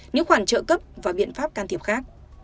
những khoản trợ cấp và biện pháp can thiệp khác